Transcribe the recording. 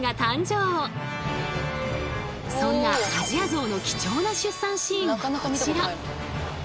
そんなアジアゾウの貴重な出産シーンがこちら。